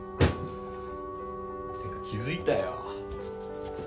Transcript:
てか気付いたよ。